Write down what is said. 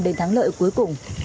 đến thắng lợi cuối cùng